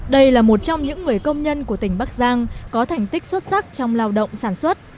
đây là một trong những người công nhân của tỉnh bắc giang có thành tích xuất sắc trong lao động sản xuất